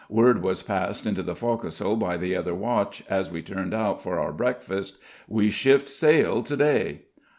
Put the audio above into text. Word was passed into the fo'c'sle by the other watch, as we turned out for our breakfast, "We shift sail today."